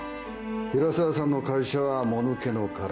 平沢さんの会社はもぬけの殻。